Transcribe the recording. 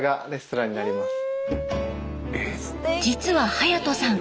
実は勇人さん